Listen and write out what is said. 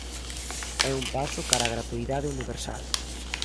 É un paso cara a gratuidade universal.